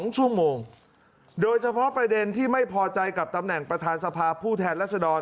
๒ชั่วโมงโดยเฉพาะประเด็นที่ไม่พอใจกับตำแหน่งประธานสภาผู้แทนรัศดร